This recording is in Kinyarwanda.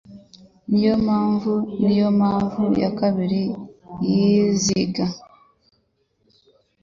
niyo mpamvu niyo mpamvu ya kabiri yiziga